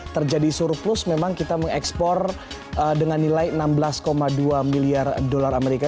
terjadi surplus memang kita mengekspor dengan nilai enam belas dua miliar dolar amerika